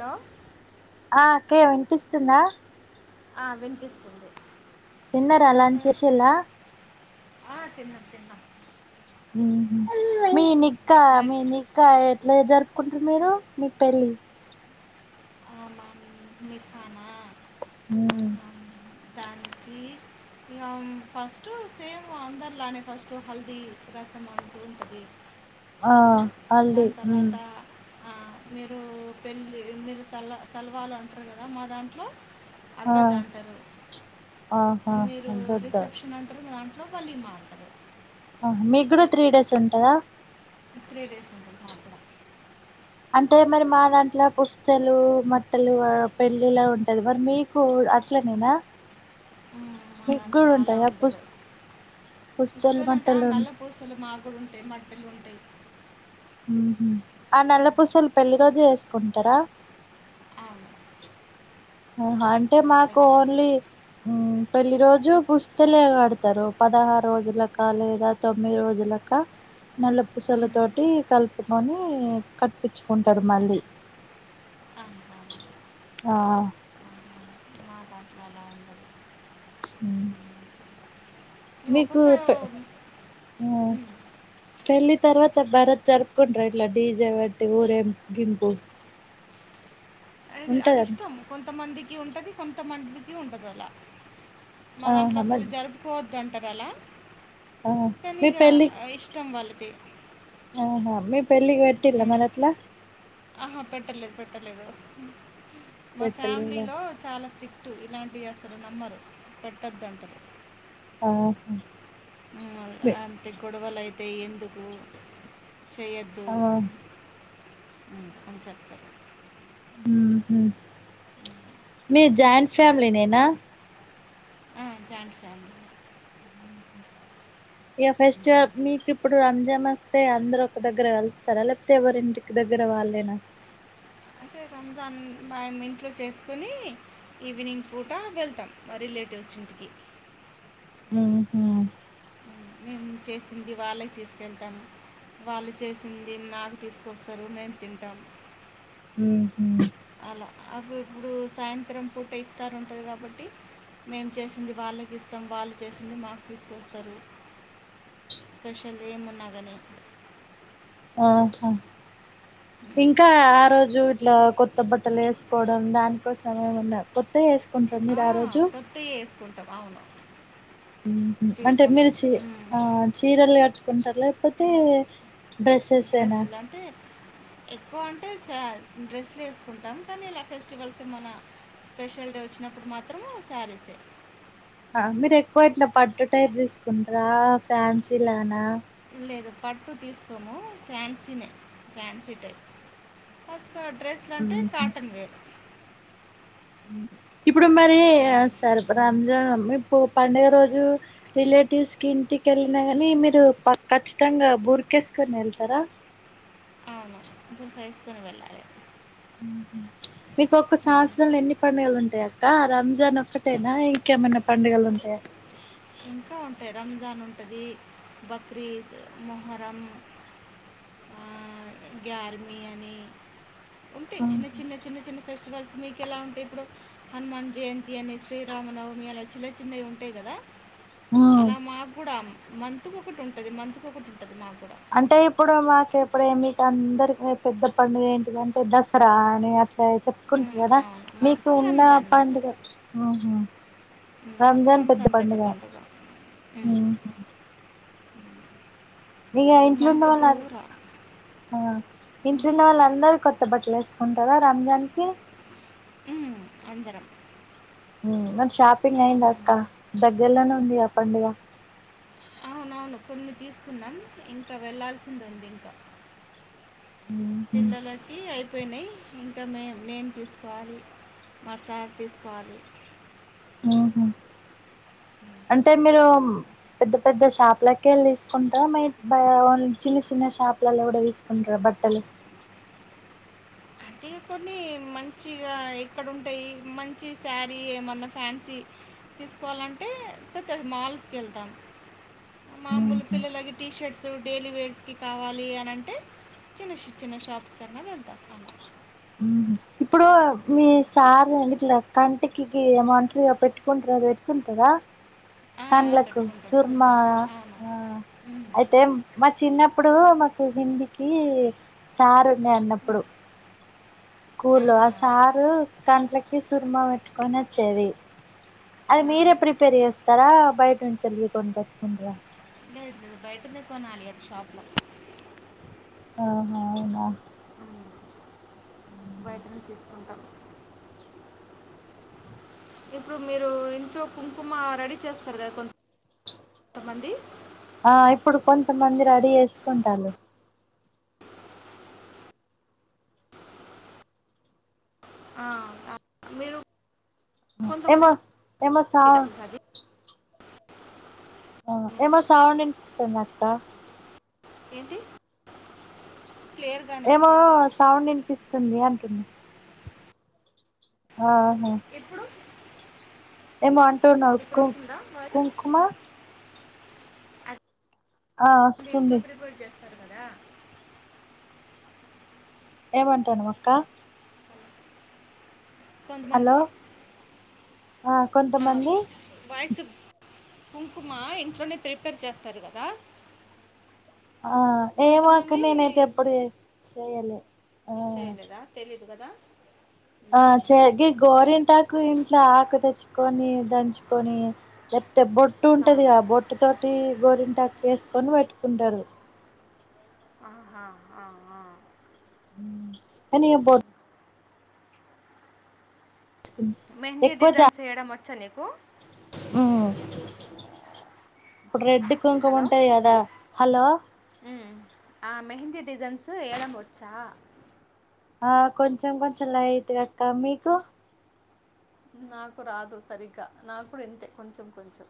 లో ఆ అక్కయ్య వినిపిస్తుందా ఆ వినిపిస్తుంది విన్నరా అలాన్ శేషలా ఆ తిన్న తిన్న ఉహు మీనిక్క మిర్- మీినికాా ఏ ఎట్లే జరుపుకుంటరు మీరు మీ పెళ్ళి అవున నిఖా నా ఊహు దానికి ఇక ఫస్ట్ సేమ్ అందరిలానే ఫస్ట్ హల్దీ రసం అంటూ ఉంటది ఆ అండి ఆ మీరూ పెళ్ళి మీర్ తల్ల తలవాలు అంటారు కదా మా దాంట్లో ఆ అగ్గదాంటారు ఆహా మీరు గద్ద రిసెప్షన్ అంటరు మీ అంట లోపలి మాటారు ఆ మీకు కూడా త్రీ డేస్ ఉంటదా మీకు త్రీ డేస్ ఉంటుంది మాకు కూడా అంటే మీరు మా దాంట్ల పుస్తలు మట్టలు పెళ్ళిలా ఉంటుది మరి మీకు అట్లనేనా ఉమ్ మా మీకు కూడా దాంట్లో అలా ఉంటాయా పుస్ ఉంటదు పుస్తలు అంటే నల్ల పూసలు మా కూడా ఉంట టె మట్టలు ఉంటయి ఊహు ఆ నల్ల పూసలు పెళ్లిి రోజు వేసుకుంటరా అవును అవున అంటే మా మాకు పెళ్లి రోజు ఓన్లీ ఉమ్ పెళ్లి రోజు పుస్తలే కడతరు పదహారు రోజుల కాని లేదా తొమ్మిది రోజులకా నల్ల పూసల ఉమ్, తోటి కలుపు గని కట్పిచుకుంటారు మళ్ళీ అవును అవును అవును. ఆ మా దాంట్లో అలా ఉండదు ఉ ఒకోక్క మ్మ్ పెళ్లి తర్వాత భరత్ జరుపుకుంటర ఇట్ల డీజే వేట్టి ఊరేగింపు అది ఉంటదా ఇష్టం కొంతమందికి ఉంటది కొంత మందికి ఉండదు అలా మా దాంట్లో ఆహా అసలు మరి జరుపుకోవ దంటరాల ఆ మీ ననిీగ పెళ్ళి ఇష్ట వాళ్ళు [inaudible] మీ హా మా [inaudible] పెళ్ళికి పెట్టిన్ర మనట్లా ఆహా పెట్టలేదు పెట్టలేదు మా ఫ్యామిలీ పెట్టలేదా లో చాలా స్ట్రిక్ట్ పటు ఇలాంటి అసలు నమ్మరు పెట్టద్దంటారు ఆహా ఊ మీ ఆ అంటే గొడవలు అయితాండ అంఎందుకు చేయద్దూ ఆ చెప్తా [inaudible] మీ జాయింట్ ఫ్యామిలీ నేనా ఆ జాయింట్ ఫ్యామిలీ ఇక ఫస్ట్ మీకు ఇప్పుడు రండి పండగ వసై అందరుూ ఒక దగ్గర కలుస్తారా లేకపోతే ఎవరింటికి దగ్గర వాళ్ళేనా అంటే రంజాన్ మ ఇంట్లో చేసుకుని ఈవినింగ్ పూట వెళ్తాం మా రిలేటివ్స్ ఇంటికి ఆ హ [inaudible] ఉమ్, మేము చేసింది వాళ్ళకి తీసుకెళ్తాము వాళ్ళు చేసింది నాకు తీసుకొస్తారు మేము తింటాం మ్ మ్ అలా అప్పు ఇప్పుడు సాయంత్రం పూట అలా ఇస్తారు ఉంటుంది కాబట్టి మేము చేసింది వాళ్ళకి ఇస్తాం వాళ్ళు చేసింది మాకు తీసుకొస్తారు స్పెషల్ ఏమున్నా కానీ ఆకా [inaudible] ఇంకా ఆ రోజు ఇట్లా కొత్త బట్టలు వేసుకోవడం దాన్కోసమయం ఉన్న కొత్తగా వేసుకో కుంటహమీరు ఆ రోజు కొత్తయి యేసుకుంటాం. అవును [inaudible] మ్ మంచి అంటే మీరు తీసుకుంటాం. చీ హ్మ్. ఆ చీరలు కట్టుుకుంటారులే అయితే బ్రష్ వేసిన డ్రెస్సులు అంటే ఎక్కువ అంటే శా డ్రెస్సులు వేసుకుంటాం కానీ ఇలా ఫెస్టివల్స్ మన స్పెషల్ డే వచ్చినప్పుడు మాత్రము శారీసే మీరు ఎక్కువ ఇట్లా పట్టుటైపు తీసుకుంటార ఫ్యాన్సీ లానా లేదు పట్టు తీసుకోము ఫ్యాన్సీనే ఫ్యాన్సీ టైప్ డ్రెస్ లంటే ఉహు కాటన్ వేర్ ఇప్పుడు మరి ఆ హ్మ్. సర్బరంజాన్ మీరుపంండగ రోజు రిలేటివ్స్ కి ఇంటికి ఎల్లినగని మీరు ప ఖచ్చితంగా బుర్కేసుకుని వెళ్తారా అవునా ఇప్పుడు క్రైస్తవెళ్ళాలి మీకు ఒక్క సంవత్సరంలో ఎన్ని పండుగలు ఉంటాయి అక్ ఆ రంజాన్ ఒక్కటేనా ఇంకేమన్న పండుగలు ఉంటాయా? ఇంకా ఉంటాయి రంజాన్ ఉంటది బక్రీద్, మొహరం ఆ గ్యార్మి అని ఉంటాయ్ చిన్న ఆహా. చిన్న చిన్న చిన్న ఫెస్టివల్స్ మీకు ఎలా ఉంటాయి ఇప్పుడు హనుమాన్ జయంతి అని శ్రీరామనవమి అలా చిన్న చిన్నవి ఉంటాయి గదా ఉమ్. అలా మాక్ గుడా మ్ మంతుకు ఒకటి ఉంటది మంతుకు ఒకటి ఉన్ అంటే ఇప్పుడు మాకు ఎపుడైంది అందరికి ఎ పెద్ద పండుగ ఏంటిదంటే దసరా అని అ ఎ చెప్పుకుంటరు ఉమ్, కదా అవును మీకు మాకు ఉన్న రంజాన్ అన్నట్టు పండుగ ఉ హు రంజాన్ పెద్ద పండుగ ఉ హు ఉ ఇగ ఇంట్లున్న వాళ్లంద్ ఆ ఉమ్, ఇంట్లున్న వాళ్లందరు కొత్త బట్లెసి ఉంటదా రంజాన్ కి ఉ అందరం మ్ మరి షాప్ టిఫినయిందా అక్క ఉమ్. దగ్గర్లోనే ఉందిఆ పండుగ అవునవును కొన్ని తీసుకున్నాం ఇంకా వెళ్లాల్సింది ఉంది ఇంకా మ్మ్ పిల్లలకి అయిపోయినయ్ ఇంకా మేమ్ నేన్ తీసుకోవాలి మా సార్ తీసుకోవాలి. మ్ హు అంటే మీరు పెద్ద పెద్ద షాపులకేళ్ళి తీసుకుంటరా మీర్ బా చిన్న చిన్న షాపులలో కూడ తీసుకుంటరా బట్టలు అంటే కొన్ని మంచిగా ఎక్కడ ఉంటాయి మంచి శారీ ఏమన్నా ఫ్యాన్సీ తీసుకోవాలంటే పెద్ద మాల్స్ కి యెల్తాం మామూలు మ్మ్ పిల్లలకి టీషర్స్ డైలీ వేర్స్ కావాలి అనంటే చిన్న చి చిన్న షాప్స్ కన్నా వెళ్తాము అల ముహు ఇప్పుడు మీ ఉమ్. సార్ గిట్ల కంటికి గి ఏమంటరు పెట్టుకుంటర అది పెట్టుకుంటారా ఆ, ఆ, కండ్లకు పెట్టుకుంటాడు సుర్మా అవును ఆ ఉమ్. అయితే మా చిన్నప్పుడు మా ఇగ కిందికీ సారు నే అన్నప్పుడు. స్కూర్ లో ఆ ఆహా సారు కట్లకి సుర్మా పెట్టుకొని వచ్చేది. అది ఆ. మీరె ప్రిపేర్ చేస్తారా బయట నుంచి వెల్లి కొనుకచ్చుకుంటార? బయటనె కొనాలి అది షాప్ లో ఆహ అవునా బయటనె తీసుకుంటా. ఇప్పుడు మీరు ఇంట్లో కుంకుమ రడీ చేస్తారు కదా కొన్ తమంది ఆ ఇప్పుడు కొంతమంది రెడీ చేసుకుంటాన్రు. ఆ, ఆ, మీరు ఏమ కొంతమంది పోమ సా ఇది అసలు అది హు ఏమో సౌండ్ వినిపిస్తుందిఅక్క ఏంటి క్లియర్ గానే ఏమో ఉంది సౌండ్ వినిపిస్త వస్తుంది అంటుంన్నా ఆహా ఇప్పుడు ఏమో అంటున్నావు ఇప్పుడు కుం వస్తుందా వాయిస్ కుంకుమ అది ఆ వస్తుంది ఇస్తారు కదా ఏమంటాను అక్క హలో కొంతమంది ఆ ఆ, కొంతమంది వాయిస్ కుంకుమ ఇంట్లోనే ప్రిపేర్ చేస్తారు కదా ఆ ఏమో అక్క కొంతమంది నేనైతే ఎప్పుడు చెయ్యా చేయలే ఆ చేయలేదా తెలీదు కదా ఆ చెగ గోరింటాకు ఇంట్లో ఆకు తెచ్చుకొని దంచుకొని బొట్టు ఉంటదిగా బొట్టు తోటి గోరింటా వేసుకొని పెట్టుకుంటారు ఆహా ఆ ఆ ఎని బో మెహందీ ఎక్కువ జా డిజైన్స్ వేయడం వచ్చా నీకు మ్ ఇప్పుడు రెడ్ కుంకం హలో ఉంటాంది కదా హలో ఉమ్. ఆ మెహందీ డిజైన్స్ ఎయ్యడం వచ్చా ఆ కొంచెం కొంచెం లైట్ అక్క మీకు నాకు రాదు సరిగ్గా నాకు ఇంతే కొంచెం కొంచెం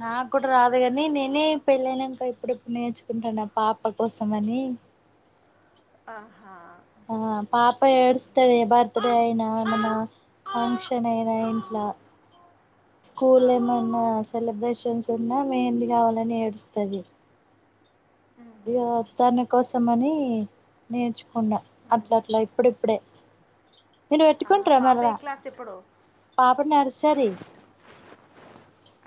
నాకు కూడా రాదు కాని నేనే పెళ్ళనాంక ఇప్పుడెప్పుడు నేర్చుకుంటాన పాప కోసం అని ఆహా ఆ పాప ఏడుస్తది బర్త్ డే అయినా ఏమన్నా ఫంక్షన్ నైనా ఆ, ఇంట్లో స్కూల్ ఏమన్నా ఆహా. సెలబ్రేషన్స్ ఉన్నా మేహంది కావాలని ఏడుస్తుంది ఉమ్, ఇగ తనకోసం అని నేర్చుకున్నా ఉమ్. అట్ల అట్లా ఇప్పుడిప్పుడే మీరు ఆహా పెట్టుకుంటార పాప మర ఏ క్లాస్ ఇప్పుడు పాపడి నరిసారి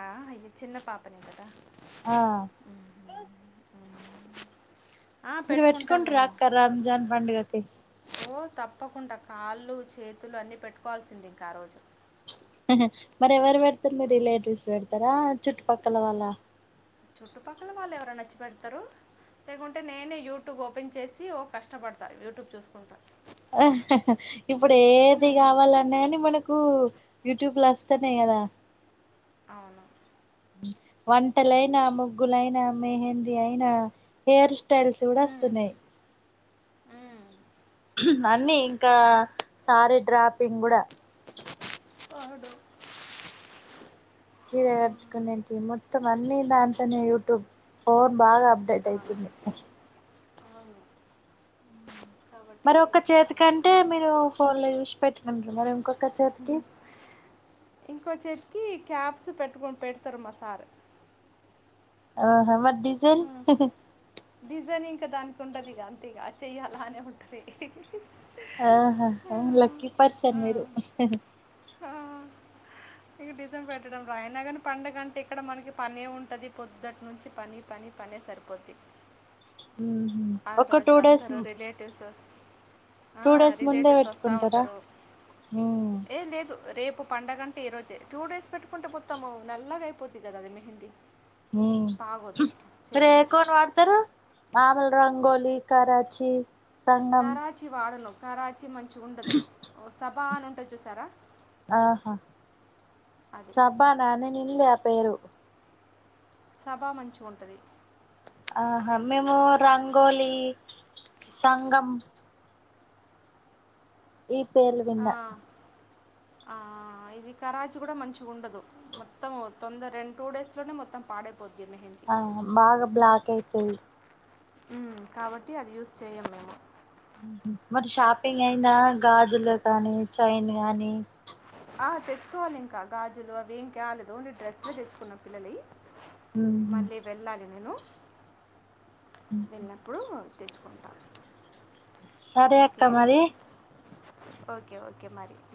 ఆ, అయ్యో చిన్న పాపనే కదా ఆ ఆ, మీరు పెట్టుకుంటాం పెట్టుకుంటారు మేము అక్క రంజాన్ పండుగకి, ఓ తప్పకుండా కాళ్ళు చేతులు అన్నీ పెట్టుకోవాల్సింది ఇంకా ఆ రోజు మరె మరి మీ రిలేటివ్స్ పెడతారా చుట్టుపక్కల వాళ్ళ ఖచి పెడతారు లేకుంటే నేనే యూట్యూబ్ ఓపెన్ చేసి ఓ కష్టపడతా యూట్యూబ్ చూసుకుంటా ఇప్పుడు ఏది ఉమ్, కావాలన్నా కాని మనకు యూట్యూబ్ లో వస్తనే కదా అవును వంటలైనా ముగ్గులైనా మెహందీ అయినా హెయిర్ స్టైల్స్ కూడా ఉమ్, వస్తున్నాయి ఉమ్. అన్ని ఇంకా సారీ డ్రాపింగ్ కూడా అవును చీర కట్టుకునేంటి మొత్తం అన్ని దాట్నే యూట్యూబ్ ఫోన్ బాగా అప్డేట్ అయితుంది అవును కాబట్టి మరి ఒక్క చేతి అవన్నీ కంటే పెట్టుకుంటాం మీరు ఫోన్ లో చూసి పెట్టుంటారు మరి ఇంకొ ఇంకో చెతికి క్యాబ్స్ పెట్టుకు పెడతారు మా సార్ ఆహా మరీడిజైన్ డిజైనింగ్ దానికి ఉంటది గా అంతేగా చెయ్యాలా అనే ఉంటంది ఆ లక్కీ పర్సన్ మీరు ఇక నిజం పెట్టడం రా అయినా కానీ పండగంటే ఇక్కడ మనకి పనే ఉంటుంది పొద్దుటి నుంచి పని పని పనే సరిపోద్ది ఆ ఒక రోజు టూ డేస్ అందరు రిలేటివ్స్ టూ డేస్ ముందే రిలేటివ్స్ వస్తూ పెట్టుకుంటారా ఉంటారు ఏ లేదు రేపు పడుగంటే ఈ రోజే టూ డేస్ పెట్టుకుంటే మొత్తాము నల్లగా అయిపోద్ది కదా అది మెహందీ బాగోదు రే చేతులకి కోన్ వాడతారు మామలు రంగోలీ లీ కా చీ కారాచి వాడను కారాచీ మంచి చ ఉండదు వస బా అని ఉంటుంది చూసారా ఆహా అది సాబానానే ఉంది ఆ పేరు సభా మంచి ఉంటది ఆహా మేము రంగోలీ సంగం ఈ పేర్లు విన్నా ఆ ఇది కరాచీ కూడా మంచి ఉండదు మొత్తం తొందర రెండు టూ డేస్ లోనే మొత్తం పాడై ఆ బాగా బ్లాక్ అయిపోయి కాబట్టి అది యూస్ చేయ్యం మేము ఊహూ మరి షాపింగ్ అయ్యిందా గాజులు కానీ చైన్ గానీ ఆ తెచ్చుకోవాలి ఇంకా గాజులు అవి ఏం క్యాలేదు ఓన్లీ డ్రెస్లే తెచ్చుకున్నాం పిల్లలయి ఉమ్ మళ్ళీ వెళ్ళాలి నేను వెళ్ళినప్పుడు తెచ్చుకుంటా సరే అక్క ఓకే మరి ఓకే ఓకే మరి